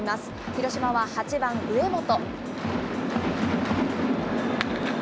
広島は８番上本。